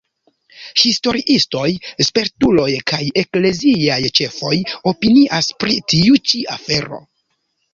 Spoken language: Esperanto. Historiistoj, spertuloj kaj ekleziaj ĉefoj opinias pri tiu ĉi afero.